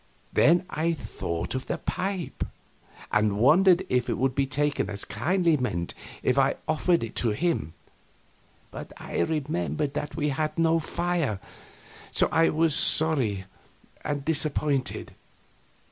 Then I thought of the pipe, and wondered if it would be taken as kindly meant if I offered it to him. But I remembered that we had no fire, so I was sorry and disappointed.